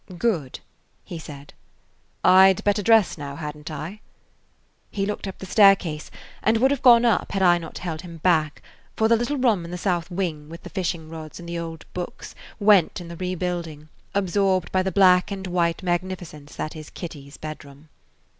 "Good," he said. "I 'd better dress now, hadn't I?" He looked up the staircase, and would have gone up had I not held him back; for the little room in the south wing, with the fishing rods and the old books, went in the rebuilding, absorbed by the black and white magnificence that is Kitty's bedroom.